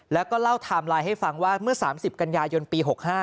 แล้วก็เล่าไทม์ไลน์ให้ฟังว่าเมื่อ๓๐กันยายนปี๖๕